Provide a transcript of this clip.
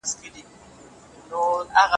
ليکوال بايد له ټولني څخه ګوښه نه سي.